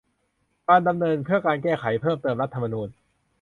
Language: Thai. การดำเนินการเพื่อแก้ไขเพิ่มเติมรัฐธรรมนูญ